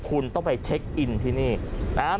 คุณต้องไปเช็คอินที่นี่นะครับ